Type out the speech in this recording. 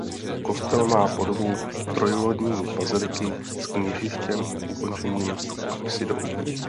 Kostel má podobu trojlodní baziliky s kněžištěm ukončeným apsidou.